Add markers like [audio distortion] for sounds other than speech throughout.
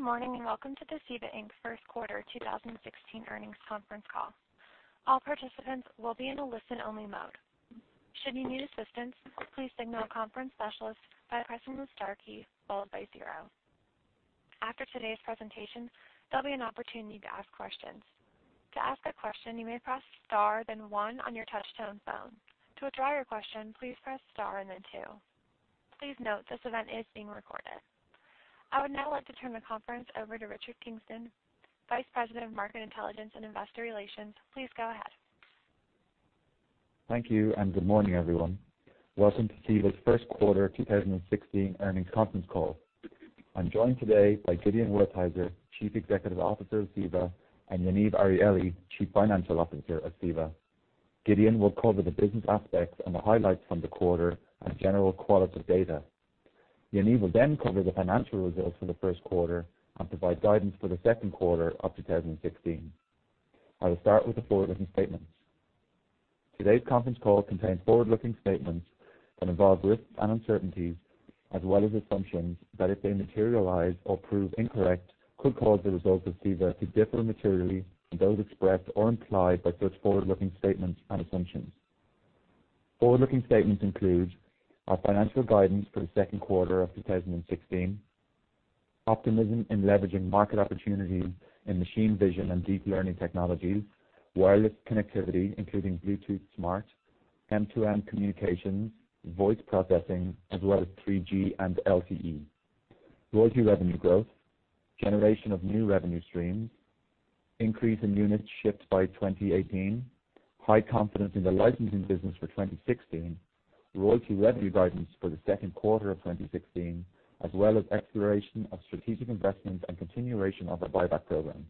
Good morning, welcome to the CEVA, Inc. First Quarter 2016 Earnings Conference Call. All participants will be in a listen-only mode. Should you need assistance, please signal a conference specialist by pressing the star key, followed by zero. After today's presentation, there'll be an opportunity to ask questions. To ask a question, you may press star, then one on your touch-tone phone. To withdraw your question, please press star and then two. Please note, this event is being recorded. I would now like to turn the conference over to Richard Guasch, Vice President of Market Intelligence and Investor Relations. Please go ahead. Thank you, good morning, everyone. Welcome to CEVA's First Quarter 2016 Earnings Conference Call. I'm joined today by Gideon Wertheizer, Chief Executive Officer of CEVA, and Yaniv Arieli, Chief Financial Officer at CEVA. Gideon will cover the business aspects and the highlights from the quarter and general qualitative data. Yaniv will then cover the financial results for the first quarter and provide guidance for the second quarter of 2016. I will start with the forward-looking statements. Today's conference call contains forward-looking statements that involve risks and uncertainties, as well as assumptions that, if they materialize or prove incorrect, could cause the results of CEVA to differ materially from those expressed or implied by such forward-looking statements and assumptions. Forward-looking statements include our financial guidance for the second quarter of 2016, optimism in leveraging market opportunities in machine vision and deep learning technologies, wireless connectivity, including Bluetooth Smart, M2M communications, voice processing, as well as 3G and LTE, royalty revenue growth, generation of new revenue streams, increase in units shipped by 2018, high confidence in the licensing business for 2016, royalty revenue guidance for the second quarter of 2016, as well as exploration of strategic investments and continuation of our buyback program.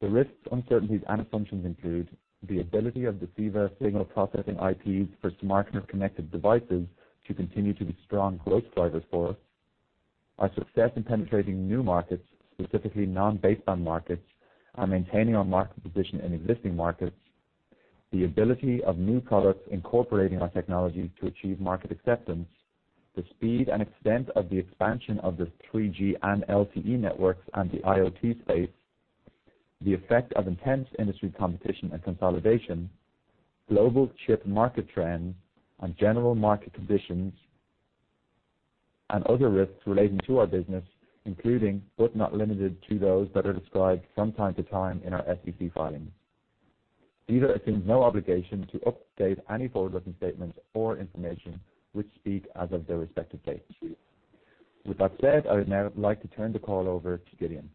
The risks, uncertainties, and assumptions include the ability of the CEVA signal processing IPs for smart and connected devices to continue to be strong growth drivers for us, our success in penetrating new markets, specifically non-baseband markets, and maintaining our market position in existing markets, the ability of new products incorporating our technologies to achieve market acceptance, the speed and extent of the expansion of the 3G and LTE networks and the IoT space, the effect of intense industry competition and consolidation, global chip market trends and general market conditions, and other risks relating to our business, including, but not limited to those that are described from time to time in our SEC filings. CEVA assumes no obligation to update any forward-looking statements or information, which speak as of their respective dates. With that said, I would now like to turn the call over to Gideon.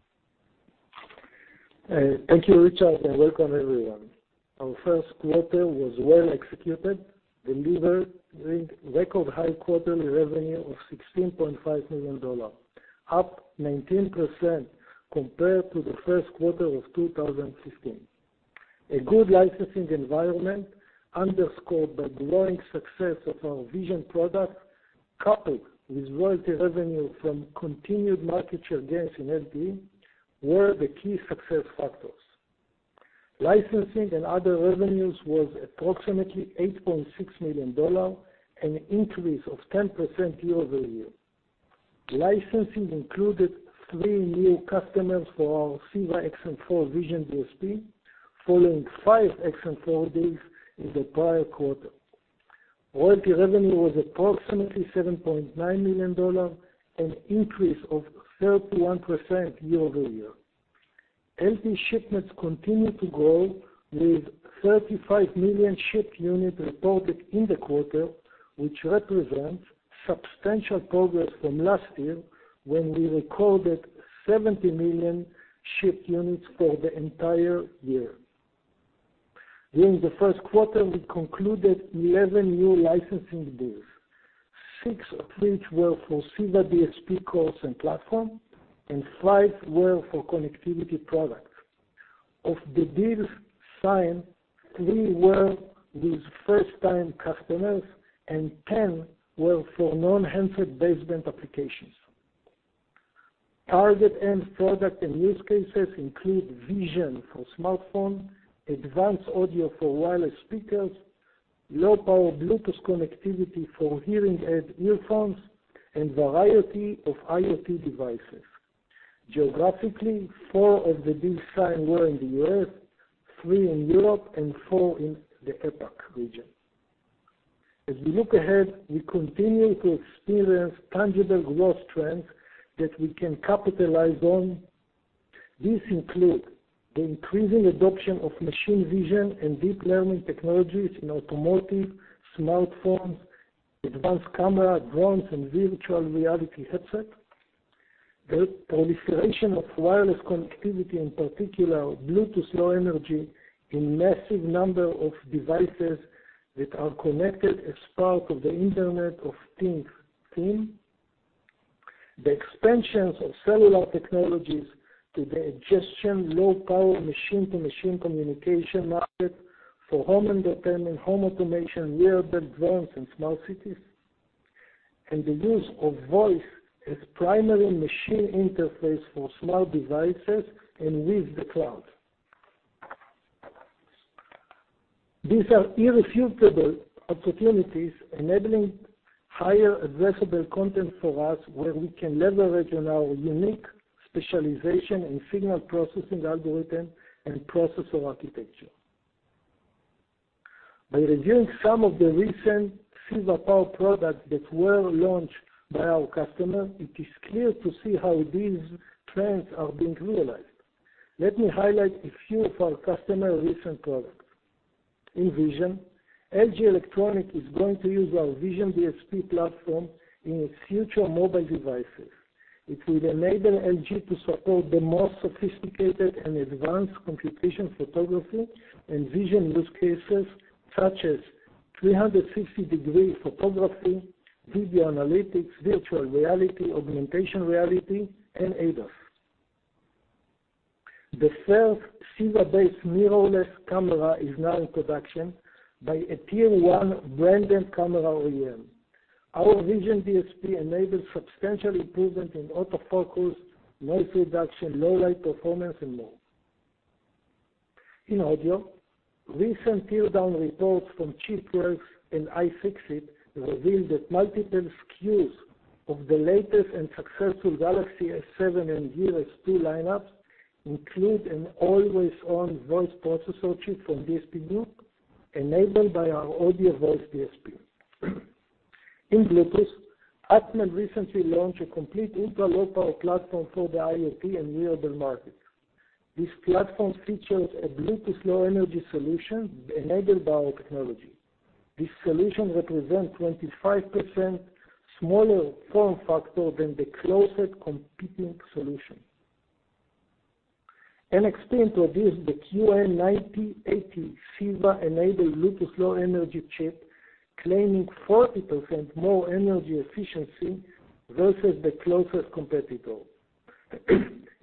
Thank you, Richard, and welcome everyone. Our first quarter was well executed, delivering record high quarterly revenue of $16.5 million, up 19% compared to the first quarter of 2015. A good licensing environment underscored by growing success of our vision product, coupled with royalty revenue from continued market share gains in LTE were the key success factors. Licensing and other revenues was approximately $8.6 million, an increase of 10% year-over-year. Licensing included three new customers for our CEVA-XM4 vision DSP, following five CEVA-XM4 deals in the prior quarter. Royalty revenue was approximately $7.9 million, an increase of 31% year-over-year. LTE shipments continued to grow with 35 million shipped units reported in the quarter, which represents substantial progress from last year when we recorded 70 million shipped units for the entire year. During the first quarter, we concluded 11 new licensing deals. Six of which were for CEVA DSP cores and platform, and five were for connectivity products. Of the deals signed, three were with first-time customers, and 10 were for non-handset baseband applications. Target end product and use cases include vision for smartphone, advanced audio for wireless speakers, low-power Bluetooth connectivity for hearing aid earphones, and variety of IoT devices. Geographically, four of the deals signed were in the U.S., three in Europe, and four in the APAC region. We look ahead, we continue to experience tangible growth trends that we can capitalize on. These include the increasing adoption of machine vision and deep learning technologies in automotive, smartphones, advanced camera, drones, and virtual reality headsets. The proliferation of wireless connectivity, in particular Bluetooth Low Energy, in massive number of devices that are connected as part of the Internet of Things theme. The expansions of cellular technologies to the adjacent low-power machine-to-machine communication market for home entertainment, home automation, wearable, drones, and smart cities. The use of voice as primary machine interface for smart devices and with the cloud. These are irrefutable opportunities enabling higher addressable content for us, where we can leverage on our unique specialization in signal processing algorithm and processor architecture. By reviewing some of the recent CEVA-powered products that were launched by our customers, it is clear to see how these trends are being realized. Let me highlight a few of our customers' recent products. In vision, LG Electronics is going to use our Vision DSP platform in its future mobile devices. It will enable LG to support the most sophisticated and advanced computation photography and vision use cases such as 360-degree photography, video analytics, virtual reality, augmented reality, and ADAS. The first CEVA-based mirrorless camera is now in production by a tier 1 branded camera OEM. Our Vision DSP enables substantial improvement in autofocus, noise reduction, low-light performance, and more. In audio, recent teardown reports from Chipworks and iFixit revealed that multiple SKUs of the latest and successful Galaxy S7 and Samsung Galaxy J7 lineups include an always-on voice processor chip from DSP Group enabled by our audio voice DSP. In Bluetooth, Atmel recently launched a complete ultra-low power platform for the IoT and wearable market. This platform features a Bluetooth Low Energy solution enabled by our technology. This solution represents 25% smaller form factor than the closest competing solution. NXP introduced the QN9080 CEVA-enabled Bluetooth Low Energy chip, claiming 40% more energy efficiency versus the closest competitor.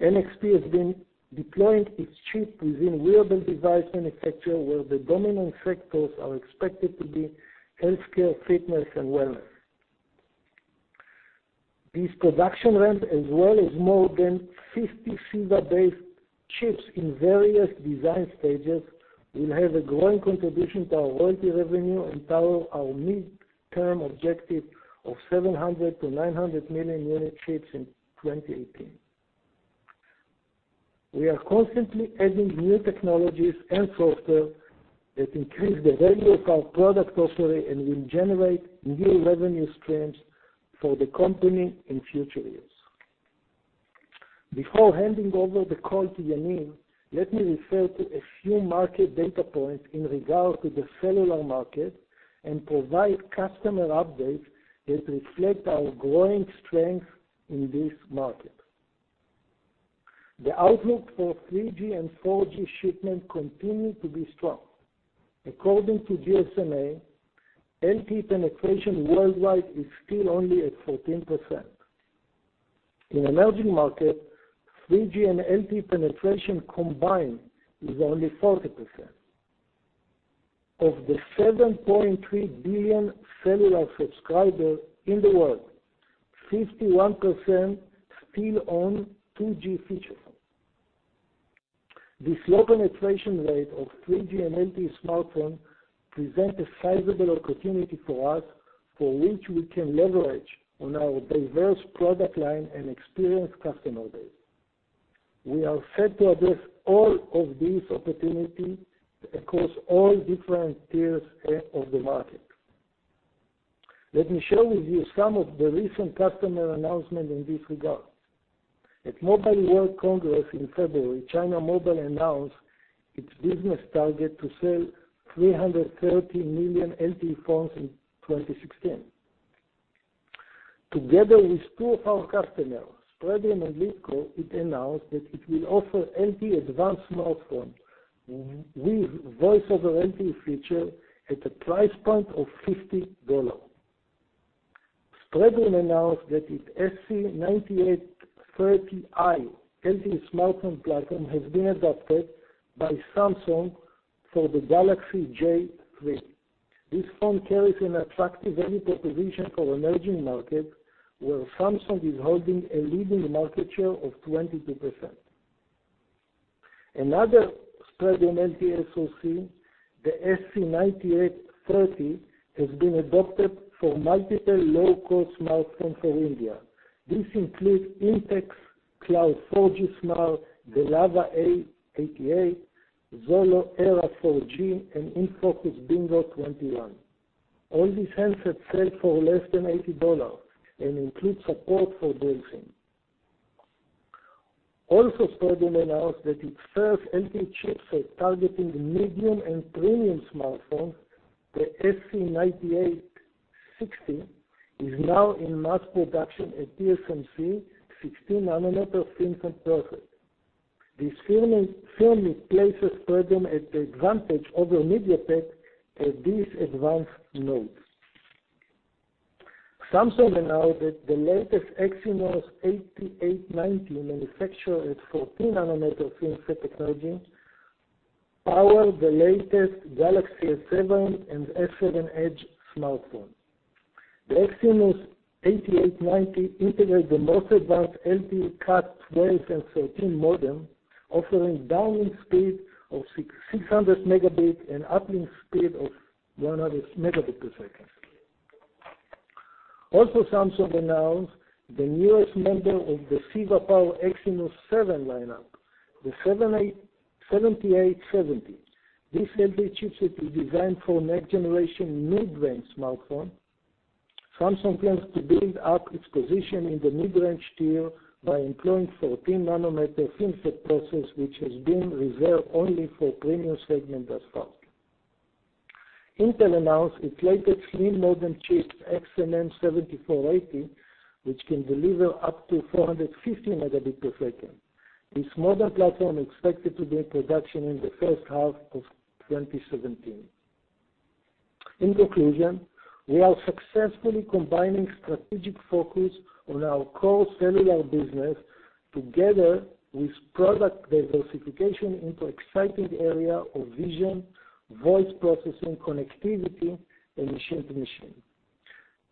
NXP has been deploying its chip within wearable device manufacturer, where the dominant sectors are expected to be healthcare, fitness, and wellness. These production runs as well as more than 50 CEVA-based chips in various design stages will have a growing contribution to our royalty revenue and power our mid-term objective of 700 to 900 million unit chips in 2018. We are constantly adding new technologies and software that increase the value of our product portfolio and will generate new revenue streams for the company in future years. Before handing over the call to Yaniv, let me refer to a few market data points in regard to the cellular market and provide customer updates that reflect our growing strength in this market. The outlook for 3G and 4G shipments continue to be strong. According to GSMA, LTE penetration worldwide is still only at 14%. In emerging markets, 3G and LTE penetration combined is only 40%. Of the 7.3 billion cellular subscribers in the world, 51% still own 2G features. This low penetration rate of 3G and LTE smartphone presents a sizable opportunity for us for which we can leverage on our diverse product line and experienced customer base. We are set to address all of these opportunities across all different tiers of the market. Let me share with you some of the recent customer announcements in this regard. At Mobile World Congress in February, China Mobile announced its business target to sell 330 million LTE phones in 2016. Together with two of our customers, Spreadtrum and Leadcore, it announced that it will offer LTE advanced smartphone with voice over LTE feature at a price point of $50. Spreadtrum announced that its SC9830i LTE smartphone platform has been adopted by Samsung for the Galaxy J3. This phone carries an attractive value proposition for emerging markets, where Samsung is holding a leading market share of 22%. Another Spreadtrum LTE SoC, the SC9830, has been adopted for multiple low-cost smartphones for India. This includes Intex Cloud 4G Smart, the Lava A88, Xolo Era 4G, and InFocus Bingo 21. All these handsets sell for less than $80 and include support for VoLTE. Spreadtrum announced that its first LTE chipset targeting medium and premium smartphones, the SC9860, is now in mass production at TSMC 16 nanometer FinFET process. This firmly places Spreadtrum at the advantage over MediaTek at these advanced nodes. Samsung announced that the latest Exynos 8890 manufactured at 14 nanometer FinFET technology power the latest Galaxy S7 and S7 Edge smartphone. The Exynos 8890 integrates the most advanced LTE Cat 20 and 13 modem, offering downlink speed of 600 megabit and uplink speed of 100 megabit per second. Samsung announced the newest member of the CEVA-powered Exynos 7 lineup, the 7870. This LTE chipset is designed for next-generation mid-range smartphone. Samsung plans to build up its position in the mid-range tier by employing 14 nanometer FinFET process, which has been reserved only for premium segment thus far. Intel announced its latest XMM modem chip, XMM 7480, which can deliver up to 450 megabit per second. This modem platform expected to be in production in the first half of 2017. In conclusion, we are successfully combining strategic focus on our core cellular business together with product diversification into exciting area of vision, voice processing, connectivity, and machine-to-machine.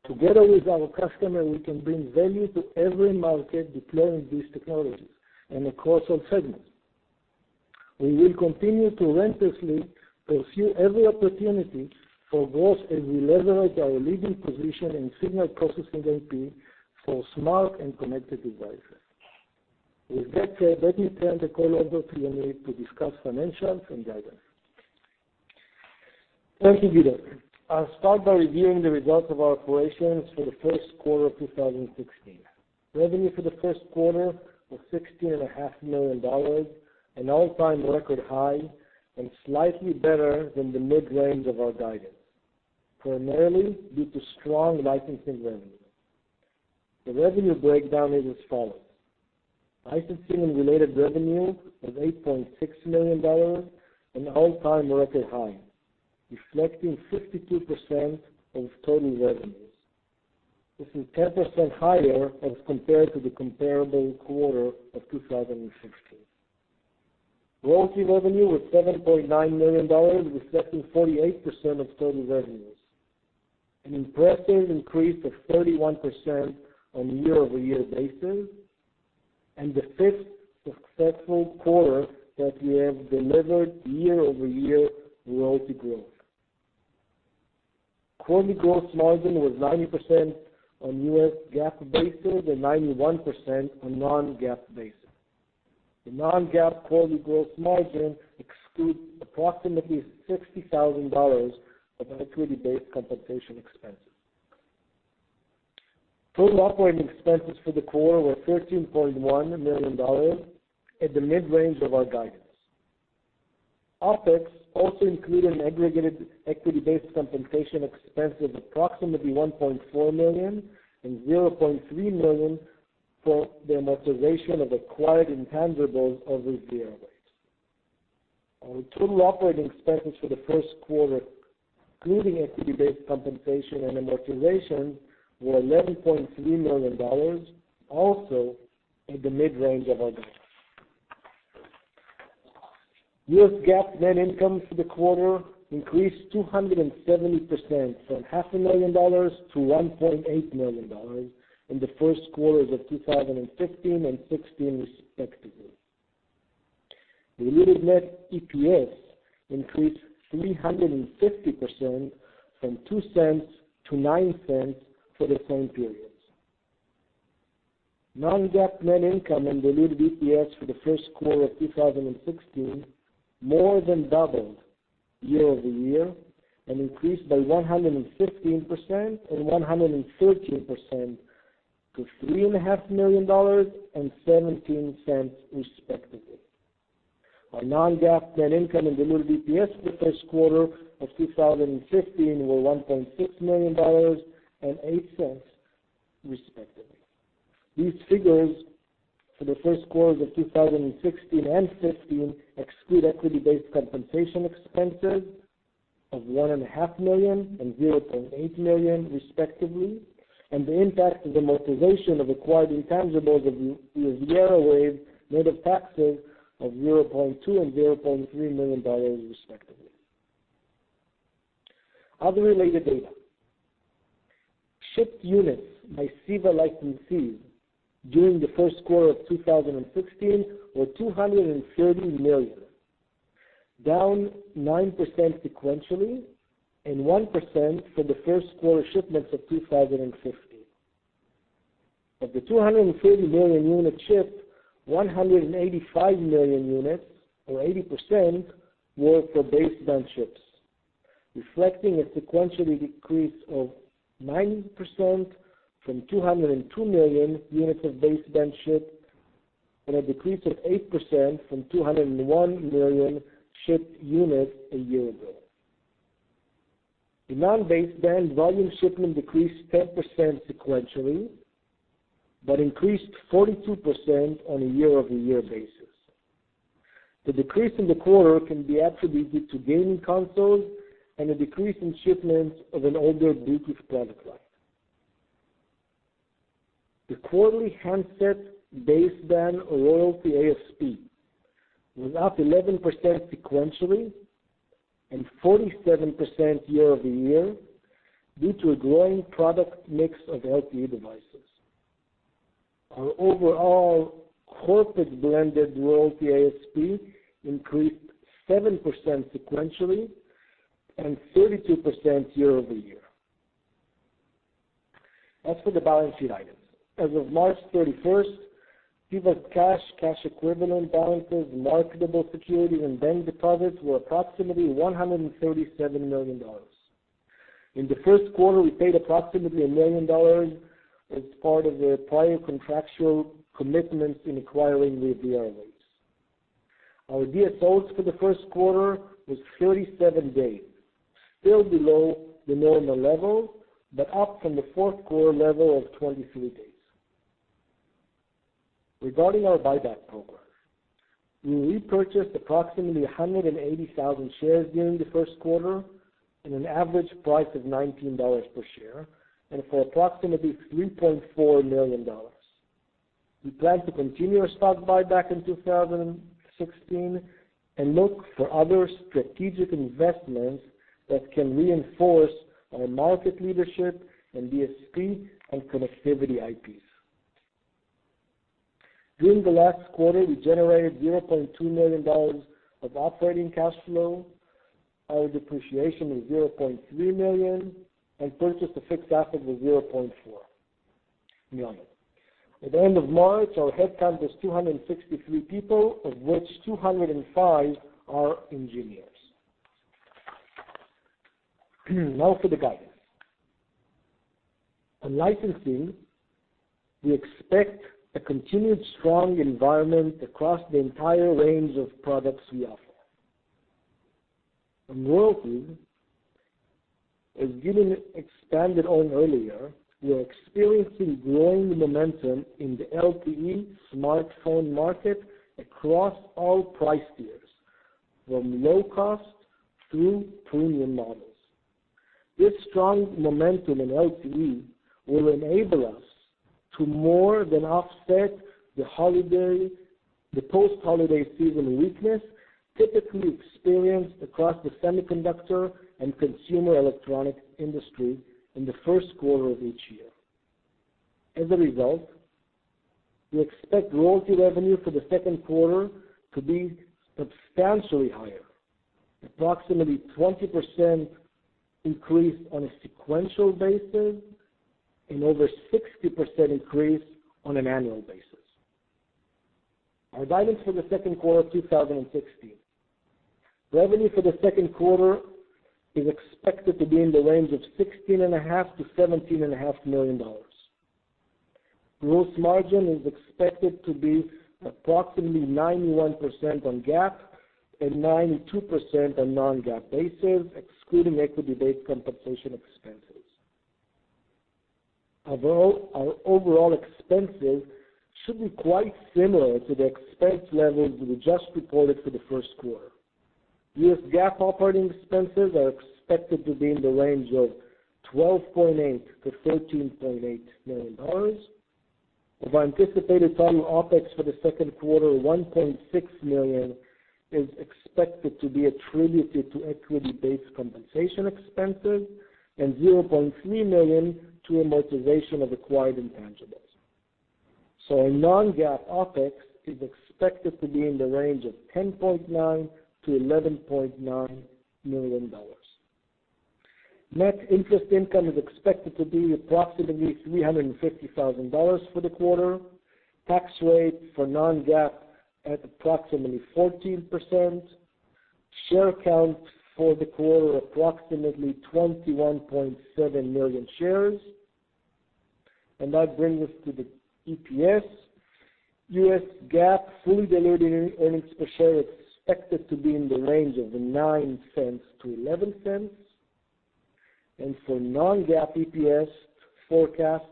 Together with our customer, we can bring value to every market deploying these technologies and across all segments. We will continue to relentlessly pursue every opportunity for growth as we leverage our leading position in signal processing IP for smart and connected devices. With that said, let me turn the call over to Yaniv to discuss financials and guidance. Thank you, Gideon. I'll start by reviewing the results of our operations for the first quarter of 2016. Revenue for the first quarter was $16.5 million, an all-time record high, and slightly better than the mid-range of our guidance, primarily due to strong licensing revenue. The revenue breakdown is as follows: licensing and related revenue of $8.6 million, an all-time record high, reflecting 62% of total revenues. This is 10% higher as compared to the comparable quarter of 2016. Royalty revenue was $7.9 million, reflecting 48% of total revenues, an impressive increase of 31% on a year-over-year basis, and the fifth successful quarter that we have delivered year-over-year royalty growth. Quarterly gross margin was 90% on US GAAP basis and 91% on non-GAAP basis. The non-GAAP quarterly gross margin excludes approximately $60,000 of equity-based compensation expenses. Total operating expenses for the quarter were $13.1 million at the mid-range of our guidance. OpEx also include an aggregated equity-based compensation expense of approximately $1.4 million and $0.3 million for the amortization of acquired intangibles of RivieraWaves. Our total operating expenses for the first quarter, including equity-based compensation and amortization, were $11.3 million, also at the mid-range of our guidance. US GAAP net income for the quarter increased 270% from half a million dollars to $1.8 million in the first quarters of 2015 and 2016, respectively. Diluted net EPS increased 350% from $0.02 to $0.09 for the same periods. Non-GAAP net income and diluted EPS for the first quarter of 2016 more than doubled year-over-year and increased by 115% and 113% to $3.5 million and $0.17, respectively. Our non-GAAP net income and diluted EPS for the first quarter of 2015 were $1.6 million and $0.08, respectively. These figures for the first quarters of 2016 and 2015 exclude equity-based compensation expenses of $1.5 million and $0.8 million, respectively, and the impact of amortization of acquired intangibles of RivieraWaves net of taxes of $0.2 million and $0.3 million, respectively. Other related data. Shipped units by CEVA licensees during the first quarter of 2016 were 230 million, down 9% sequentially and 1% from the first quarter shipments of 2015. Of the 230 million units shipped, 185 million units or 80% were for baseband chips, reflecting a sequentially decrease of 9% from 202 million units of baseband shipped, and a decrease of 8% from 201 million shipped units a year ago. The non-baseband volume shipment decreased 10% sequentially, but increased 42% on a year-over-year basis. The decrease in the quarter can be attributed to gaming consoles and a decrease in shipments of an older Bluetooth product line. The quarterly handset baseband royalty ASP was up 11% sequentially, and 47% year-over-year due to a growing product mix of LTE devices. Our overall corporate blended royalty ASP increased 7% sequentially, and 32% year-over-year. As for the balance sheet items, as of March 31st, CEVA's cash equivalent balances, marketable securities, and bank deposits were approximately $137 million. In the first quarter, we paid approximately $1 million as part of the prior contractual commitments in acquiring the VR rights. Our DSOs for the first quarter was 37 days, still below the normal level, but up from the fourth quarter level of 23 days. Regarding our buyback program, we repurchased approximately 180,000 shares during the first quarter, at an average price of $19 per share and for approximately $3.4 million. We plan to continue our stock buyback in 2016 and look for other strategic investments that can reinforce our market leadership in DSP and connectivity IPs. During the last quarter, we generated $0.2 million of operating cash flow. Our depreciation was $0.3 million and purchase to fixed assets was $0.4 million. At the end of March, our headcount was 263 people, of which 205 are engineers. For the guidance. On licensing, we expect a continued strong environment across the entire range of products we offer. On royalty, as Gideon expanded on earlier, we are experiencing growing momentum in the LTE smartphone market across all price tiers, from low cost through premium models. This strong momentum in LTE will enable us to more than offset the post-holiday season weakness typically experienced across the semiconductor and consumer electronic industry in the first quarter of each year. As a result, we expect royalty revenue for the second quarter to be substantially higher, approximately 20% increase on a sequential basis and over 60% increase on an annual basis. Our guidance for the second quarter 2016. Revenue for the second quarter is expected to be in the range of $16.5 million-$17.5 million. Gross margin is expected to be approximately 91% on GAAP and 92% on non-GAAP basis, excluding equity-based compensation expenses. Our overall expenses should be quite similar to the expense levels we just reported for the first quarter. U.S. GAAP operating expenses are expected to be in the range of $12.8 million-$13.8 million. Of our anticipated total OpEx for the second quarter, $1.6 million is expected to be attributed to equity-based compensation expenses and $0.3 million to amortization of acquired intangibles. Our non-GAAP OpEx is expected to be in the range of $10.9 million-$11.9 million. Net interest income is expected to be approximately $350,000 for the quarter. Tax rate for non-GAAP at approximately 14%. Share count for the quarter, approximately 21.7 million shares. That brings us to the EPS. U.S. GAAP fully diluted earnings per share expected to be in the range of $0.09-$0.11. For non-GAAP EPS forecast,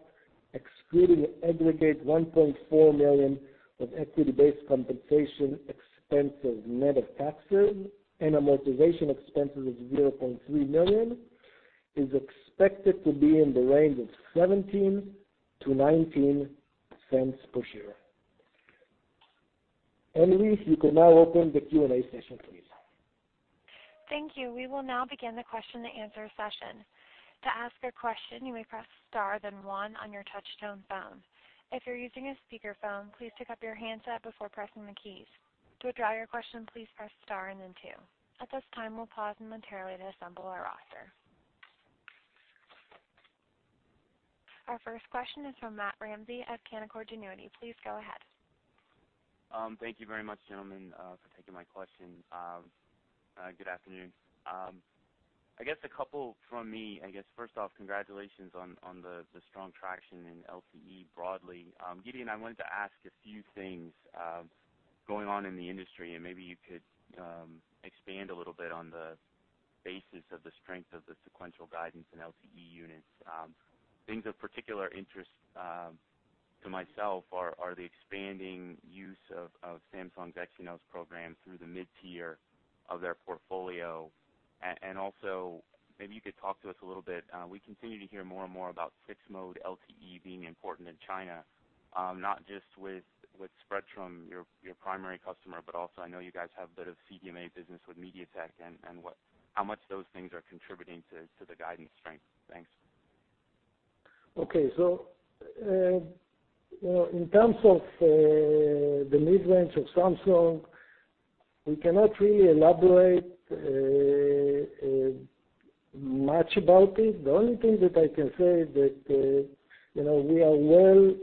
excluding aggregate $1.4 million of equity-based compensation expenses net of taxes and amortization expenses of $0.3 million, is expected to be in the range of $0.17-$0.19 per share. Annalise, you can now open the Q&A session, please. Thank you. We will now begin the question and answer session. To ask a question, you may press star then one on your touch-tone phone. If you're using a speakerphone, please pick up your handset before pressing the keys. To withdraw your question, please press star and then two. At this time, we'll pause momentarily to assemble our roster. Our first question is from Matt Ramsay of Canaccord Genuity. Please go ahead. Thank you very much, gentlemen, for taking my question. Good afternoon. I guess a couple from me. I guess, first off, congratulations on the strong traction in LTE broadly. Gideon, I wanted to ask a few things going on in the industry, and maybe you could expand a little bit on the basis of the strength of the sequential guidance in LTE units. Things of particular interest to myself are the expanding use of Samsung's Exynos program through the mid-tier of their portfolio. Also, maybe you could talk to us a little bit. We continue to hear more and more about 6-mode LTE being important in China, not just with Spreadtrum, your primary customer, but also I know you guys have a bit of CDMA business with MediaTek and how much those things are contributing to the guidance strength. Thanks. Okay. In terms of the mid-range of Samsung, we cannot really elaborate much about it. The only thing that I can say is that we are well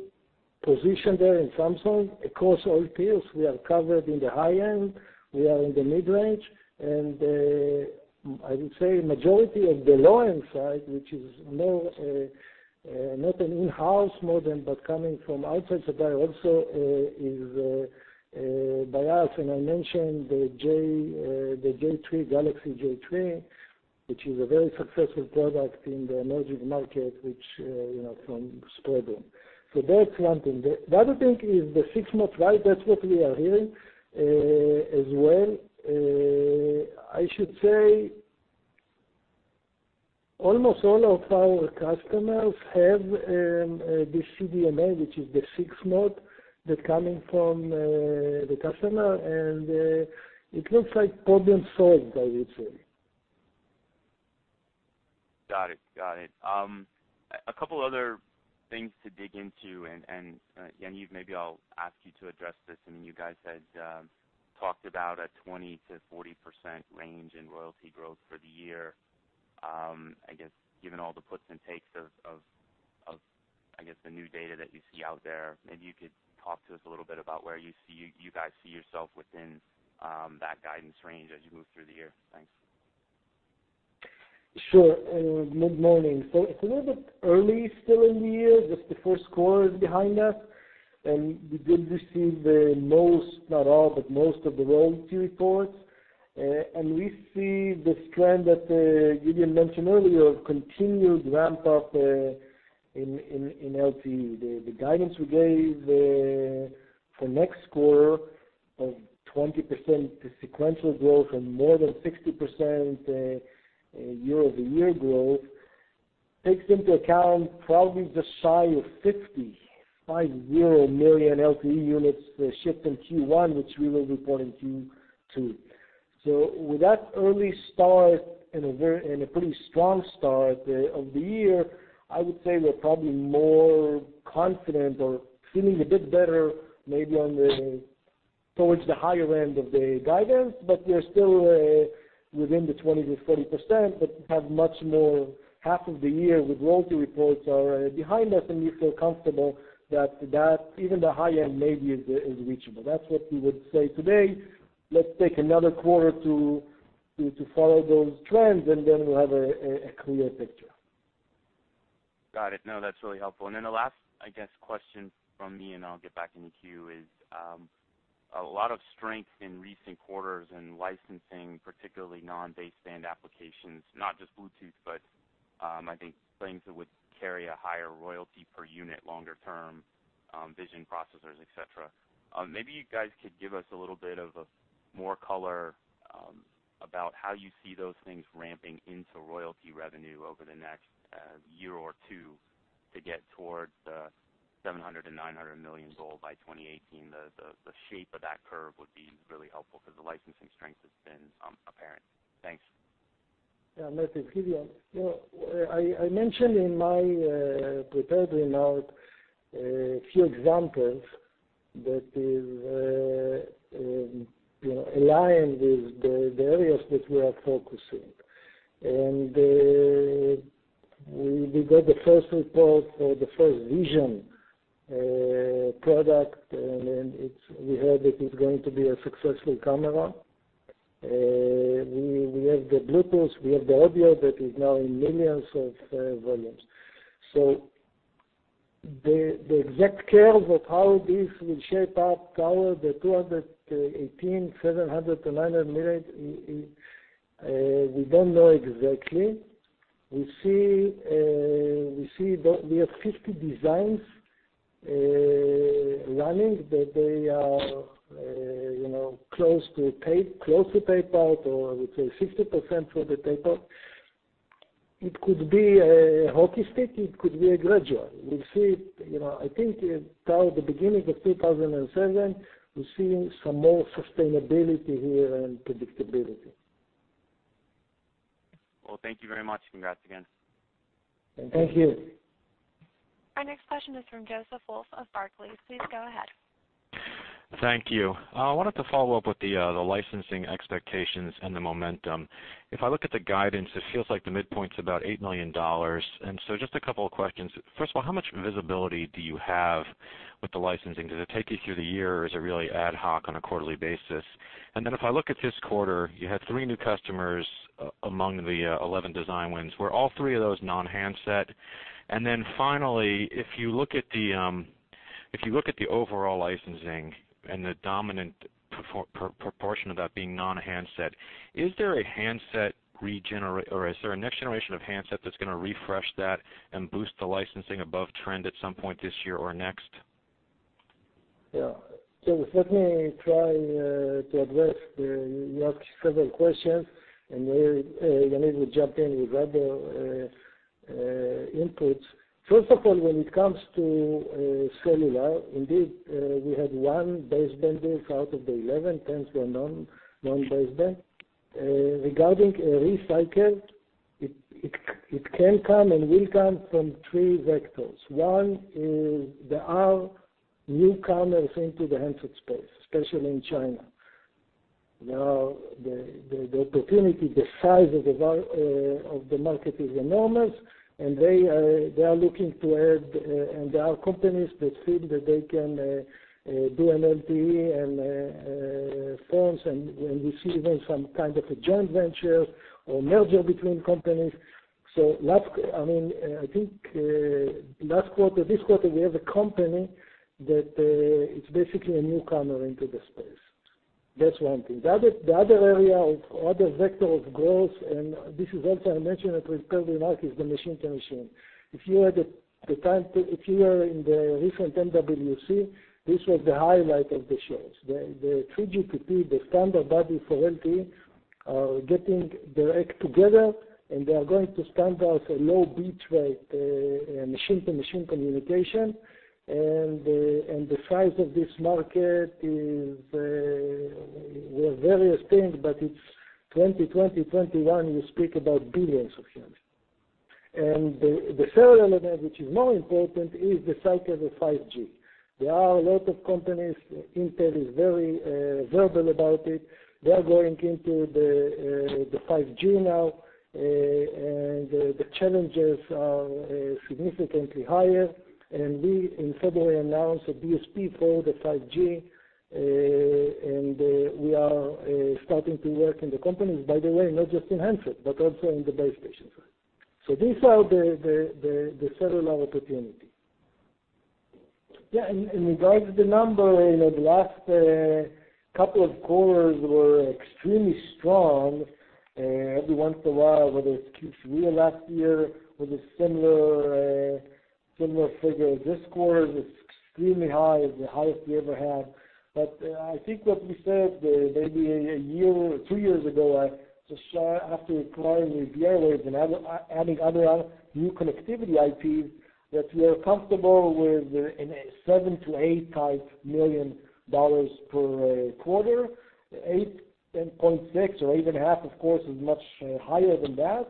positioned there in Samsung across all tiers. We are covered in the high-end, we are in the mid-range, and I would say majority of the low-end side, which is not an in-house modem, but coming from outside the dial also is by us. I mentioned the Galaxy J3, which is a very successful product in the emerging market, from Spreadtrum. That's one thing. The other thing is the 6-mode, right? That's what we are hearing as well. I should say almost all of our customers have this CDMA, which is the 6-mode, that coming from the customer, and it looks like problem solved, I would say. Got it. A couple other things to dig into, Yaniv, maybe I'll ask you to address this. I mean, you guys had talked about a 20%-40% range in royalty growth for the year. I guess given all the puts and takes of the new data that you see out there, maybe you could talk to us a little bit about where you guys see yourself within that guidance range as you move through the year. Thanks. Sure. Good morning. It's a little bit early still in the year, just the first quarter is behind us. We did receive the most, not all, but most of the royalty reports. We see this trend that Gideon mentioned earlier of continued ramp up in LTE. The guidance we gave for next quarter of 20% sequential growth and more than 60% year-over-year growth takes into account probably just shy of 50 million LTE units shipped in Q1, which we will report in Q2. With that early start and a pretty strong start of the year, I would say we're probably more confident or feeling a bit better maybe towards the higher end of the guidance, but we're still within the 20%-40%, but have much more half of the year with royalty reports are behind us. We feel comfortable that even the high end maybe is reachable. That's what we would say today. Let's take another quarter to follow those trends, then we'll have a clearer picture. Got it. No, that's really helpful. The last question from me, I'll get back in the queue, is a lot of strength in recent quarters and licensing, particularly non-baseband applications, not just Bluetooth, but I think things that would carry a higher royalty per unit longer term, vision processors, et cetera. Maybe you guys could give us a little bit of more color about how you see those things ramping into royalty revenue over the next year or two to get towards the $700 million-$900 million goal by 2018. The shape of that curve would be really helpful because the licensing strength has been apparent. Thanks. Yeah, thank you. Gideon? I mentioned in my prepared remarks a few examples that is aligned with the areas that we are focusing. We got the first report for the first vision product, we heard it is going to be a successful camera. We have the Bluetooth, we have the audio that is now in millions of volumes. The exact curves of how this will shape up toward the 2018 $700 million-$900 million, we don't know exactly. We see that we have 50 designs running, that they are close to tape out, or I would say 60% toward the tape-out. It could be a hockey stick, it could be gradual. We'll see. I think toward the beginning of 2017, we're seeing some more sustainability here and predictability. Well, thank you very much. Congrats again. Thank you. Our next question is from Joseph Wolf of Barclays. Please go ahead. Thank you. I wanted to follow up with the licensing expectations and the momentum. If I look at the guidance, it feels like the midpoint's about $8 million. So just a couple of questions. First of all, how much visibility do you have with the licensing? Does it take you through the year, or is it really ad hoc on a quarterly basis? Then if I look at this quarter, you had three new customers among the 11 design wins. Were all three of those non-handset? Then finally, if you look at the overall licensing and the dominant proportion of that being non-handset, is there a next generation of handset that's going to refresh that and boost the licensing above trend at some point this year or next? Yeah. Let me try to address, you asked several questions, and Yaniv will jump in with other inputs. First of all, when it comes to cellular, indeed, we had one baseband out of the 11. 10 were non-baseband. Regarding recycle, it can come and will come from three vectors. One is there are newcomers into the handset space, especially in China. The opportunity, the size of the market is enormous, and they are looking to add, and there are companies that feel that they can do an LTE and phones, and we see even some kind of a joint venture or merger between companies. I think last quarter, this quarter, we have a company that it's basically a newcomer into the space. That's one thing. The other area or other vector of growth, this is also I mentioned, [audio distortion] is the machine-to-machine. If you had the time, if you were in the recent MWC, this was the highlight of the shows. The 3GPP, the standard body for LTE, are getting their act together, and they are going to stand out a low bitrate, machine-to-machine communication. The size of this market is, well, various things, but it's 2020, 2021, you speak about billions of units. The third element, which is more important, is the cycle of 5G. There are a lot of companies, Intel is very verbal about it. They're going into the 5G now, and the challenges are significantly higher. We, in February, announced a DSP for the 5G, and we are starting to work in the companies, by the way, not just in handset, but also in the base station side. These are the cellular opportunities. Yeah, regards the number, the last couple of quarters were extremely strong. Every once in a while, whether it's Q3 of last year, was a similar figure. This quarter is extremely high, the highest we ever had. I think what we said, maybe a year or two years ago, after acquiring the RivieraWaves and adding other new connectivity IPs, that we are comfortable with in a $7 to $8 type million per quarter, 8.6 or 8 and a half, of course, is much higher than that.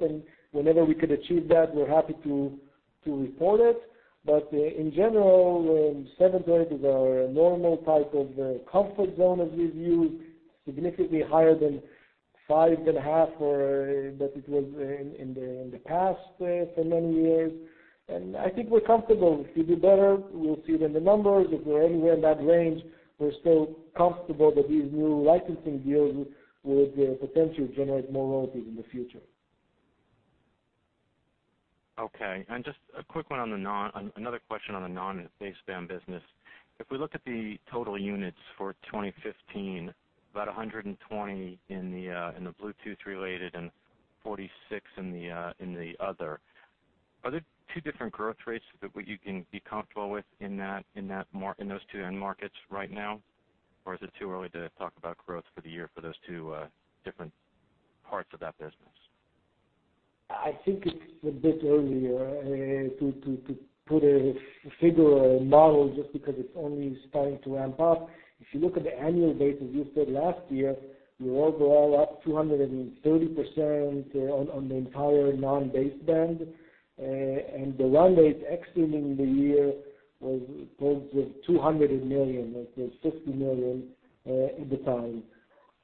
Whenever we could achieve that, we're happy to report it. In general, seven to eight is our normal type of comfort zone, as we view, significantly higher than five and a half, or that it was in the past for many years. I think we're comfortable. If we do better, we'll see it in the numbers. If we're anywhere in that range, we're still comfortable that these new licensing deals would potentially generate more royalties in the future. Okay. Just a quick one, another question on the non-baseband business. If we look at the total units for 2015, about 120 in the Bluetooth-related and 46 in the other. Are there two different growth rates that you can be comfortable with in those two end markets right now? Is it too early to talk about growth for the year for those two different parts of that business? I think it's a bit early to put a figure or a model just because it's only starting to ramp up. If you look at the annual basis, you said last year, we were overall up 230% on the entire non-baseband. The run rate excluding the year was towards the 200 million, it was 60 million at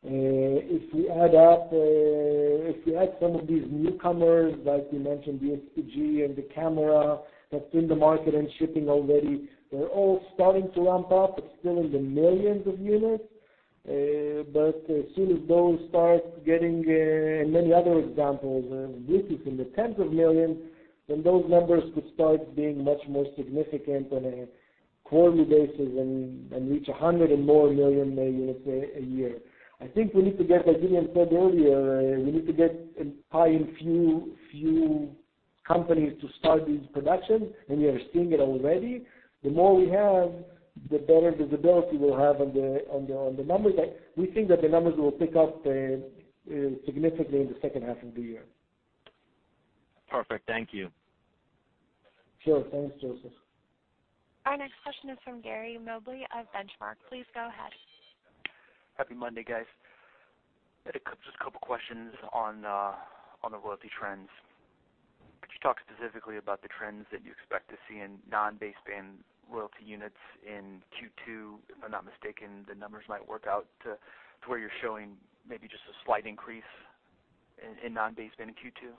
the time. If we add some of these newcomers, like we mentioned, the DSPG and the camera that's in the market and shipping already, they're all starting to ramp up. It's still in the millions of units. As soon as those start getting, and many other examples, Wi-Fi's in the tens of millions, then those numbers could start being much more significant on a quarterly basis and reach 100 and more million units a year. I think putting together, even told earlier,, we need to get and tie in few companies to start this production, we are seeing it already. The more we have, the better visibility we'll have on the numbers. We think that the numbers will pick up significantly in the second half of the year. Perfect. Thank you. Sure. Thanks, Joseph. Our next question is from Gary Mobley of Benchmark. Please go ahead. Happy Monday, guys. Just a couple of questions on the royalty trends. Could you talk specifically about the trends that you expect to see in non-baseband royalty units in Q2? If I'm not mistaken, the numbers might work out to where you're showing maybe just a slight increase in non-baseband in Q2.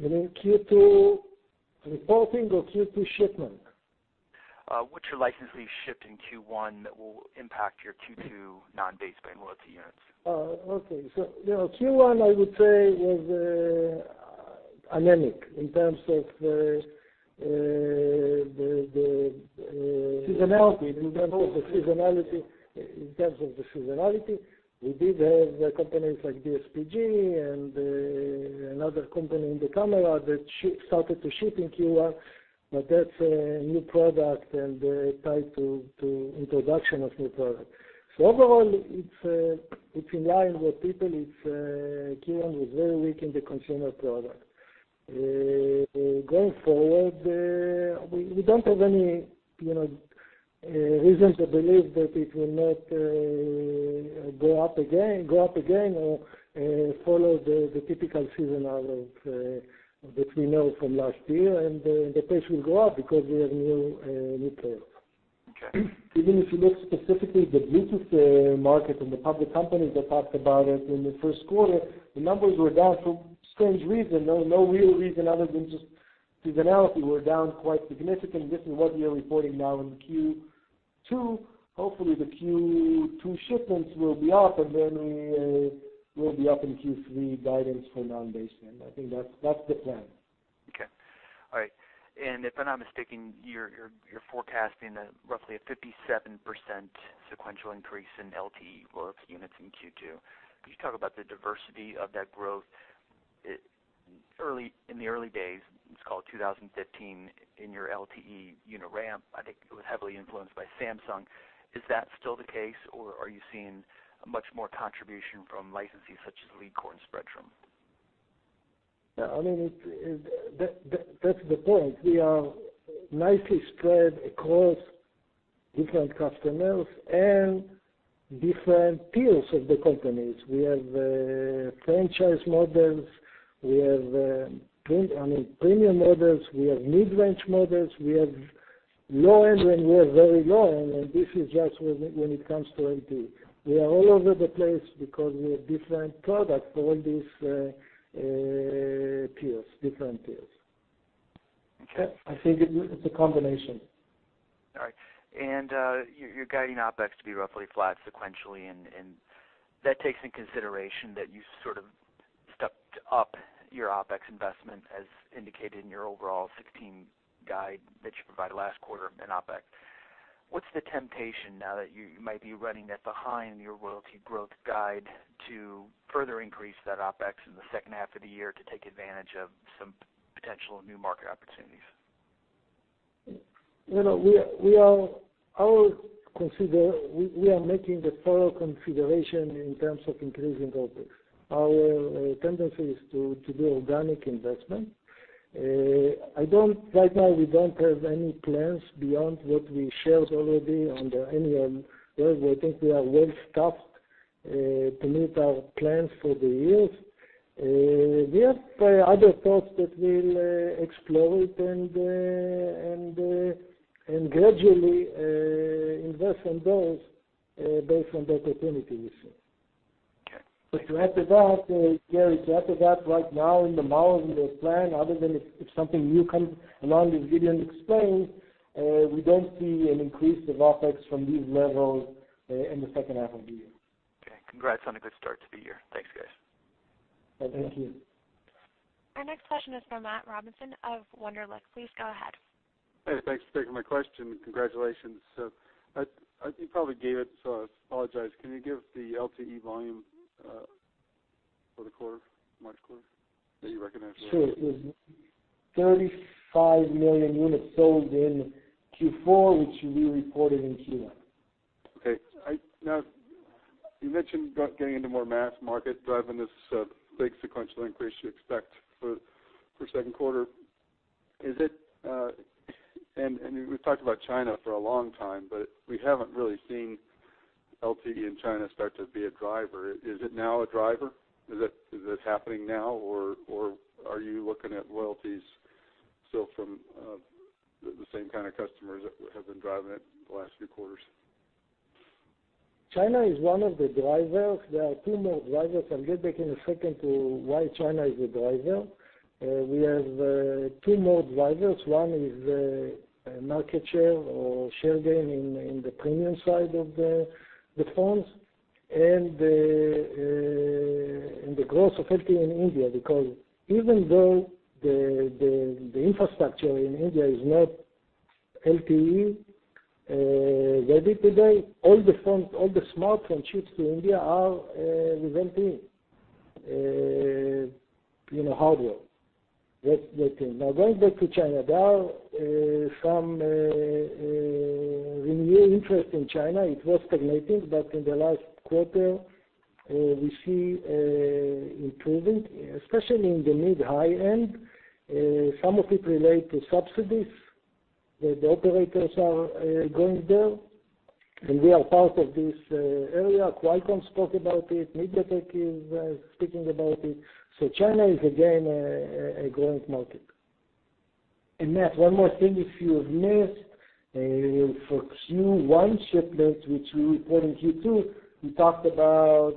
You mean Q2 reporting or Q2 shipment? What's your licenses shipped in Q1 that will impact your Q2 non-baseband royalty units? Q1, I would say, was anemic in terms of the seasonality. In terms of the seasonality, we did have companies like DSPG and another company in the camera that started to ship in Q1. That's a new product and tied to introduction of new product. Overall, it's in line with people. Q1 was very weak in the consumer product. Going forward, we don't have any reason to believe that it will not go up again or follow the typical seasonal that we know from last year. The pace will go up because we have new products. Okay. Even if you look specifically at the Bluetooth market and the public companies that talked about it in the first quarter, the numbers were down for strange reason, no real reason other than just seasonality, were down quite significantly. This is what we are reporting now in Q2. Hopefully, the Q2 shipments will be up. We will be up in Q3 guidance for non-baseband. I think that's the plan. Okay. All right. If I'm not mistaken, you're forecasting roughly a 57% sequential increase in LTE units in Q2. Could you talk about the diversity of that growth? In the early days, let's call it 2015, in your LTE unit ramp, I think it was heavily influenced by Samsung. Is that still the case, or are you seeing much more contribution from licensees such as Leadcore and Spreadtrum? That's the point. We are nicely spread across different customers and different tiers of the companies. We have franchise models, we have premium models, we have mid-range models, we have low-end, and we have very low-end, and this is just when it comes to LTE. We are all over the place because we have different products for all these different tiers. Okay. I think it's a combination. All right. You're guiding OpEx to be roughly flat sequentially, and that takes into consideration that you sort of stepped up your OpEx investment as indicated in your overall 2016 guide that you provided last quarter in OpEx. What's the temptation now that you might be running that behind your royalty growth guide to further increase that OpEx in the second half of the year to take advantage of some potential new market opportunities? We are making the thorough consideration in terms of increasing OpEx. Our tendency is to do organic investment. Right now, we don't have any plans beyond what we shared already under annual. I think we are well-staffed to meet our plans for the year. We have other thoughts that we'll explore it and gradually invest in those based on the opportunity we see. Okay. To add to that, Gary, to add to that right now in the model, in the plan, other than if something new comes along that Gideon explained, we don't see an increase of OpEx from these levels in the second half of the year. Okay. Congrats on a good start to the year. Thanks, guys. Thank you. Our next question is from Matt Robinson of Wunderlich. Please go ahead. Hey, thanks for taking my question. Congratulations. You probably gave it, so I apologize. Can you give the LTE volume for the quarter, March quarter that you recognized there? Sure. It was 35 million units sold in Q4, which we reported in Q1. Okay. Now, you mentioned getting into more mass market, driving this big sequential increase you expect for second quarter. We've talked about China for a long time, but we haven't really seen LTE in China start to be a driver. Is it now a driver? Is this happening now, or are you looking at royalties still from the same kind of customers that have been driving it the last few quarters? China is one of the drivers. There are two more drivers. I'll get back in a second to why China is a driver. We have two more drivers. One is market share or share gain in the premium side of the phones and the growth of LTE in India because even though the infrastructure in India is not LTE-ready today, all the smartphone ships to India are with LTE hardware. Going back to China, there are some renewed interest in China. It was stagnating, in the last quarter, we see improvement, especially in the mid-high end. Some of it relate to subsidies that the operators are going there, and we are part of this area. Qualcomm spoke about it. MediaTek is speaking about it. China is again a growing market. Matt, one more thing, if you have missed, for Q1 shipments, which we report in Q2, we talked about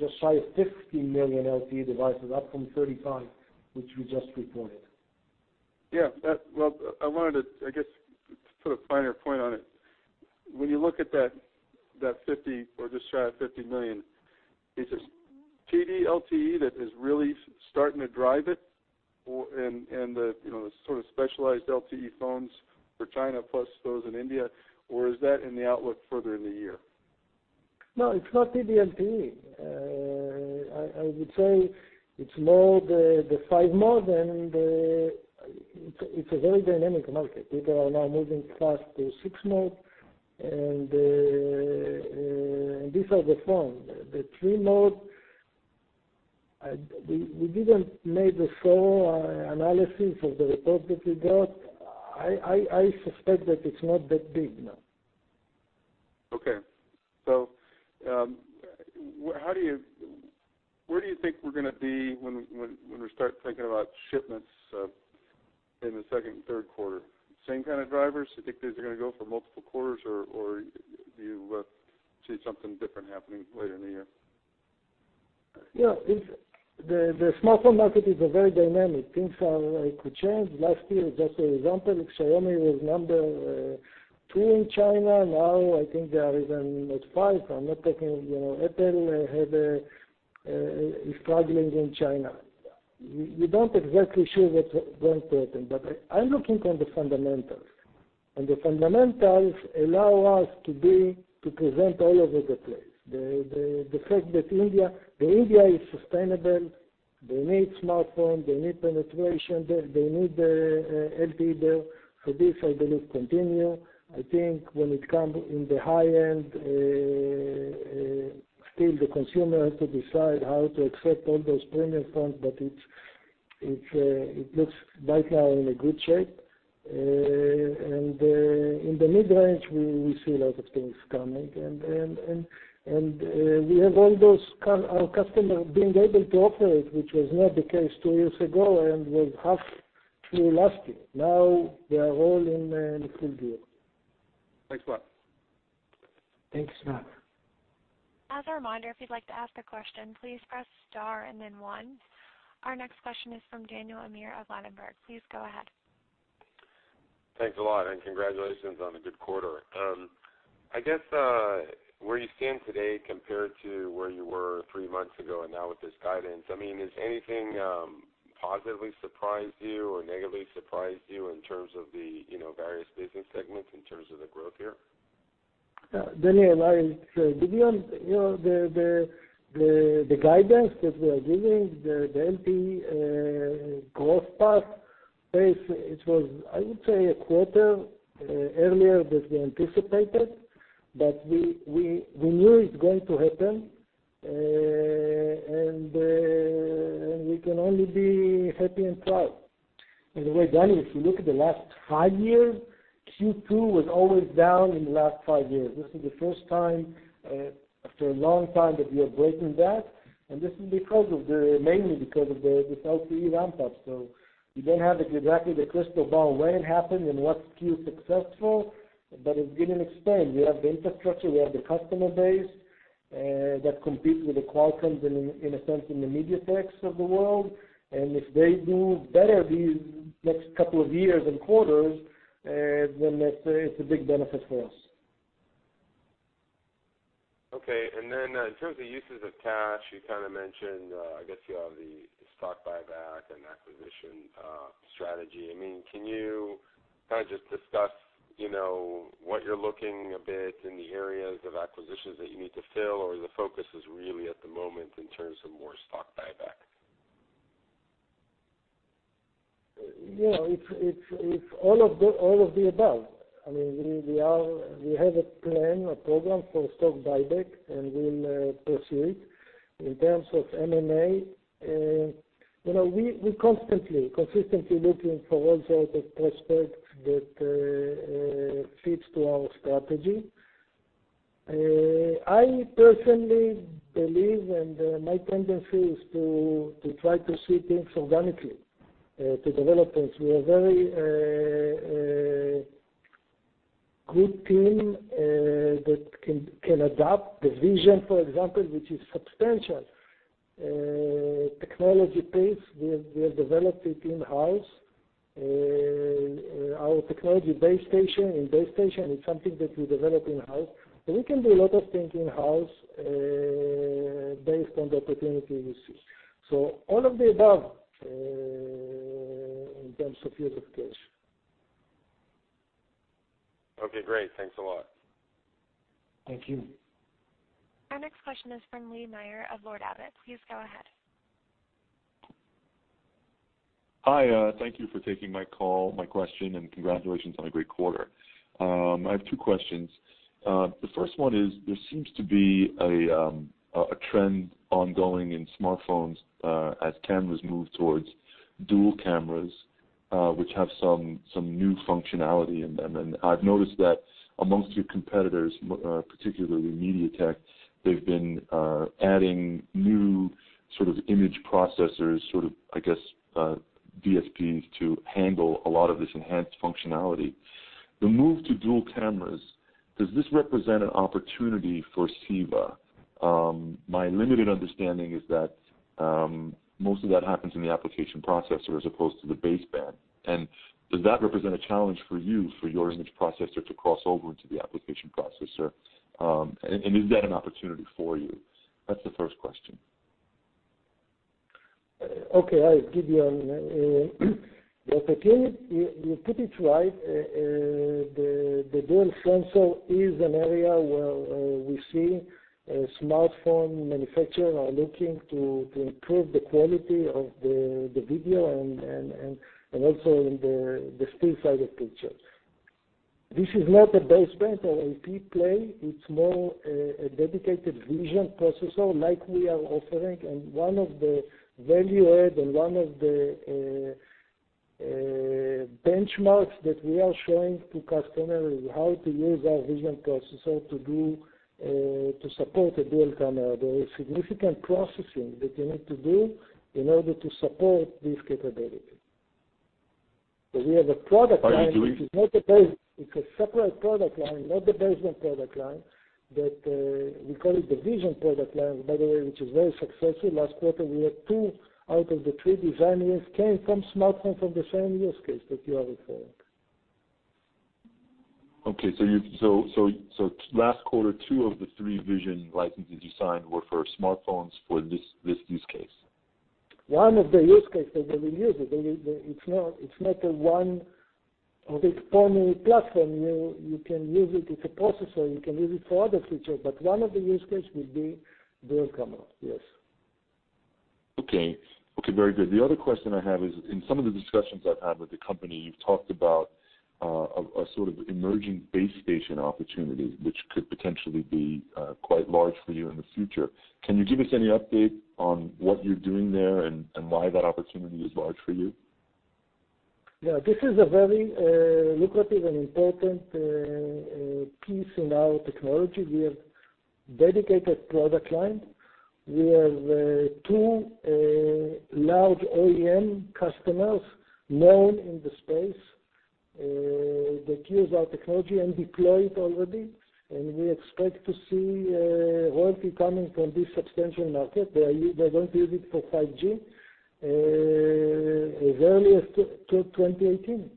just shy of 50 million LTE devices, up from 35, which we just reported. I wanted to, I guess, put a finer point on it. When you look at that 50 or just shy of 50 million, is this TD-LTE that is really starting to drive it, and the sort of specialized LTE phones for China plus those in India, or is that in the outlook further in the year? It's not TD-LTE. I would say it's more the 5-mode, it's a very dynamic market. People are now moving fast to 6-mode, these are the phones. The 3-mode, we didn't make a thorough analysis of the report that we got. I suspect that it's not that big. Where do you think we're going to be when we start thinking about shipments in the second and third quarter? Same kind of drivers? Do you think these are going to go for multiple quarters, or do you see something different happening later in the year? Yeah. The smartphone market is very dynamic. Things are like to change. Last year, just an example, Xiaomi was number 2 in China. Now, I think they are even at five. I'm not taking, Apple is struggling in China. We don't exactly sure what's going to happen, but I'm looking on the fundamentals. The fundamentals allow us to present all over the place. The fact that India is sustainable, they need smartphone, they need penetration, they need the LTE there. This, I believe, continue. I think when it comes in the high-end, still the consumer has to decide how to accept all those premium phones, but it looks right now in a good shape. In the mid-range, we see a lot of things coming, and we have all our customer being able to offer it, which was not the case two years ago and was half through last year. Now they are all in the full gear. Thanks a lot. Thanks, Matt. As a reminder, if you'd like to ask a question, please press star and then one. Our next question is from Daniel Amir of Ladenburg. Please go ahead. Thanks a lot, and congratulations on a good quarter. I guess, where you stand today compared to where you were three months ago and now with this guidance, has anything positively surprised you or negatively surprised you in terms of the various business segments in terms of the growth here? Yeah, Daniel, I said, beyond the guidance that we are giving, the LTE growth path, pace, it was, I would say, a quarter earlier that we anticipated, but we knew it's going to happen, and we can only be happy and proud. The way, Daniel, if you look at the last 5 years, Q2 was always down in the last 5 years. This is the first time, after a long time, that we are breaking that, and this is mainly because of this LTE ramp-up. We don't have exactly the crystal ball when it happened and what's Q successful, but it's going to expand. We have the infrastructure, we have the customer base that competes with the Qualcomms in a sense, and the MediaTek's of the world. If they do better these next couple of years and quarters, then that's a big benefit for us. Okay. In terms of uses of cash, you kind of mentioned, I guess you have the stock buyback and acquisition strategy. Can you just discuss what you're looking a bit in the areas of acquisitions that you need to fill, or the focus is really at the moment in terms of more stock buyback? It's all of the above. We have a plan, a program for stock buyback, and we'll pursue it. In terms of M&A, we constantly, consistently looking for all sorts of prospects that fits to our strategy. I personally believe, and my tendency is to try to see things organically, to develop things. We are a very good team that can adopt the vision, for example, which is substantial. Technology pace, we have developed it in-house. Our technology base station is something that we develop in-house. We can do a lot of things in-house based on the opportunity we see. All of the above in terms of use of cash. Okay, great. Thanks a lot. Thank you. Our next question is from Lee Meyer of Lord Abbett. Please go ahead. Hi. Thank you for taking my call, my question, and congratulations on a great quarter. I have two questions. The first one is, there seems to be a trend ongoing in smartphones as cameras move towards dual cameras, which have some new functionality in them, and I've noticed that amongst your competitors, particularly MediaTek, they've been adding new image processors, I guess, DSPs to handle a lot of this enhanced functionality. The move to dual cameras, does this represent an opportunity for CEVA? My limited understanding is that most of that happens in the application processor as opposed to the baseband. Does that represent a challenge for you, for your image processor to cross over into the application processor? Is that an opportunity for you? That's the first question. Okay, You put it right. The dual sensor is an area where we see smartphone manufacturer are looking to improve the quality of the video and also in the still side of pictures. This is not a baseband or AP play, it's more a dedicated vision processor like we are offering. One of the value-add, and one of the benchmarks that we are showing to customer is how to use our vision processor to support a dual camera. There is significant processing that you need to do in order to support this capability. We have a product line- Are you doing- It's a separate product line, not the baseband product line, but we call it the vision product line, by the way, which is very successful. Last quarter, we had two out of the three design wins came from smartphone from the same use case that you are referring. Last quarter, two of the three vision licenses you signed were for smartphones for this use case. One of the use case that they will use it. It's not a one of its only platform. You can use it's a processor. You can use it for other features, but one of the use cases will be dual camera. Yes. Okay. Okay, very good. The other question I have is, in some of the discussions I've had with the company, you've talked about a sort of emerging base station opportunity, which could potentially be quite large for you in the future. Can you give us any update on what you're doing there and why that opportunity is large for you? Yeah, this is a very lucrative and important piece in our technology. We have dedicated product line. We have two large OEM customers known in the space, that use our technology and deploy it already, and we expect to see royalty coming from this substantial market. They're going to use it for 5G as early as 2018.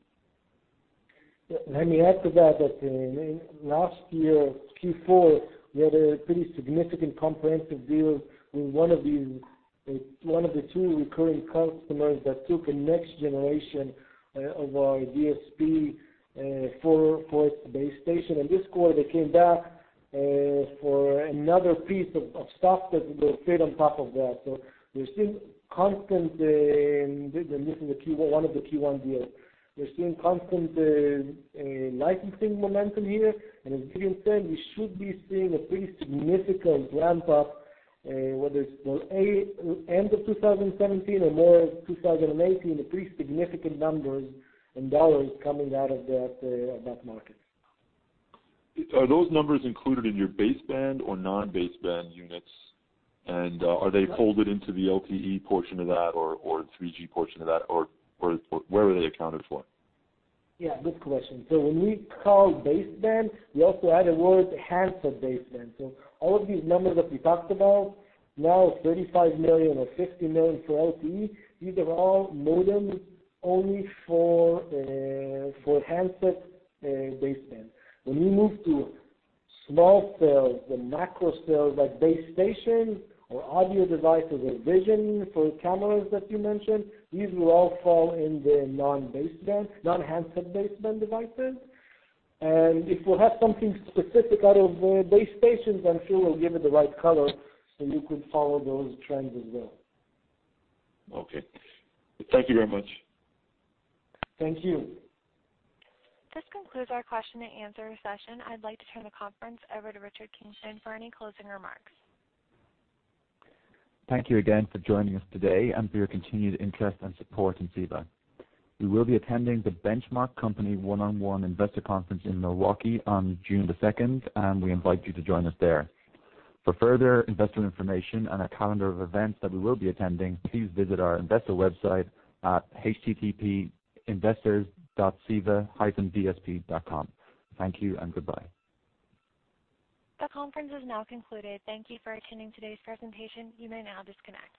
Let me add to that, last year, Q4, we had a pretty significant comprehensive deal with one of the two recurring customers that took a next generation of our DSP for its base station. This quarter, they came back for another piece of stack that will fit on top of that. This is one of the Q1 deals. We're seeing constant licensing momentum here, and as Gideon said, we should be seeing a pretty significant ramp-up, whether it's end of 2017 or more of 2018, a pretty significant $ numbers coming out of that market. Are those numbers included in your baseband or non-baseband units? Are they folded into the LTE portion of that or 3G portion of that, or where are they accounted for? Good question. When we call baseband, we also add a word handset baseband. All of these numbers that we talked about, now 35 million or 60 million for LTE, these are all modems only for handset baseband. When we move to small cells, the macro cells, like base station or audio devices or vision for cameras that you mentioned, these will all fall in the non-handset baseband devices. If we have something specific out of base stations, I'm sure we'll give it the right color, so you could follow those trends as well. Okay. Thank you very much. Thank you. This concludes our question and answer session. I'd like to turn the conference over to Richard Guasch for any closing remarks. Thank you again for joining us today and for your continued interest and support in CEVA. We will be attending The Benchmark Company One-on-One Investor Conference in Milwaukee on June 2nd, and we invite you to join us there. For further investor information and a calendar of events that we will be attending, please visit our investor website at http://investors.ceva-dsp.com. Thank you and goodbye. The conference is now concluded. Thank you for attending today's presentation. You may now disconnect.